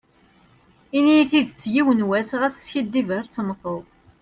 Ini-yi tidet yiwen was, ɣas skiddib ar temteḍ.